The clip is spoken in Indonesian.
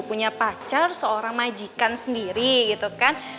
punya pacar seorang majikan sendiri gitu kan